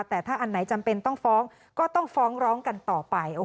แต่ถ้าอันไหนจำเป็นต้องฟ้องก็ต้องฟ้องร้องกันต่อไป